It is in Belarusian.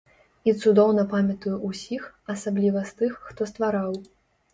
І цудоўна памятаю ўсіх, асабліва з тых, хто ствараў.